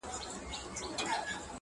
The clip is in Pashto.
د فنا له غېږي د زلمیتوب سندري نومولې